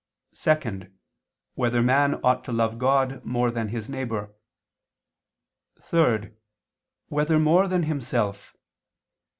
(2) Whether man ought to love God more than his neighbor? (3) Whether more than himself?